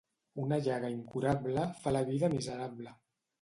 Una llaga incurable fa la vida miserable.